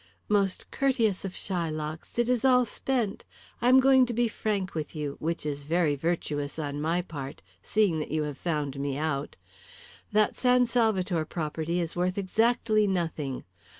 "Most courteous of Shylocks, it is all spent. I am going to be frank with you, which is very virtuous on my part, seeing that you have found me out. That San Salvator property is worth exactly nothing.